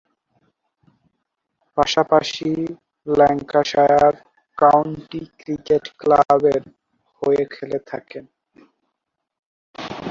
পাশাপাশি Lancashire county cricket ক্লাবের হয়ে খেলে থাকেন।